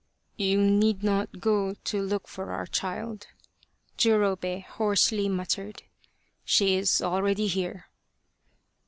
" You need not go to look for our child !" Jurobei hoarsely muttered. " She is already here